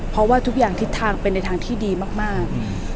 เพราะทุกอย่างคิดทางที่ดีมาก